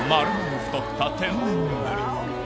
太った天然ブリ